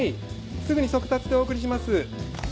すぐに速達でお送りします。